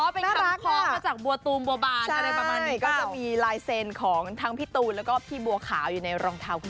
เป็นคำคล้องมาจากบัวตูมบัวบานอะไรประมาณนี้ก็จะมีลายเซ็นต์ของทั้งพี่ตูนแล้วก็พี่บัวขาวอยู่ในรองเท้าคุณ